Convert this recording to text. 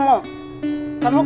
kamu kan sudah berusaha